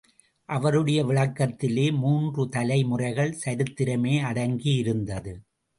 அவருடைய விளக்கத்திலே மூன்று தலைமுறைகள் சரித்திரமே அடங்கி யிருந்தது.